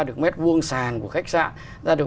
được mét vuông sàn của khách sạn ra được